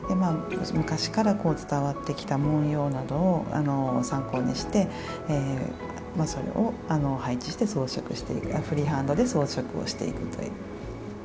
昔から伝わってきた文様などを参考にしてそれを配置してフリーハンドで装飾をしていくという。